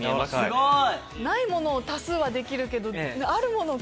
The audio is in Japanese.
すごい！